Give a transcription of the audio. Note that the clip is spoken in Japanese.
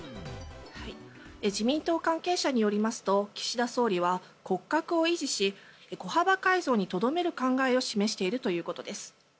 自民党関係者によりますと岸田総理は骨格を維持し小幅改造に留める考えを示しているということです。